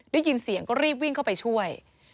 ได้ยินเสียงก็รีบวิ่งเข้าไปช่วย